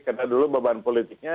karena dulu beban politiknya